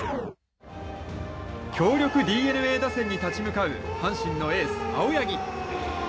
強力ＤｅＮＡ打線に立ち向かう阪神のエース青柳。